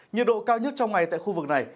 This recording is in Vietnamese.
nhiệt độ cao nhất trong ngày tại khu vực này